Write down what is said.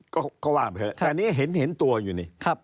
ก็ว่าแบบนี้แต่อันนี้เห็นตัวอยู่นี่